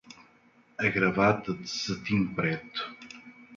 A gravata de cetim preto